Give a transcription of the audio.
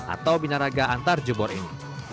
atau minaraga antar jubor ini